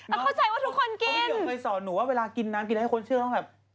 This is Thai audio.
เอาเข้าใจว่าทุกคนกินหนูเคยสอนหนูว่าเวลากินน้ำกินให้คนเชื่อต้องแบบ